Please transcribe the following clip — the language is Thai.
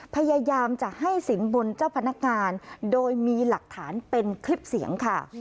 พยายามจะให้สินบนเจ้าพนักงานโดยมีหลักฐานเป็นคลิปเสียงค่ะ